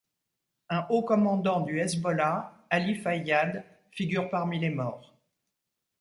Un haut commandant du Hezbollah, Ali Fayyad, figure parmi les morts.